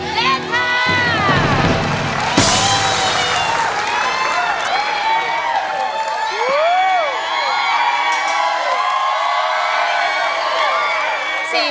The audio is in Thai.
เล่นค่ะเล่นค่ะ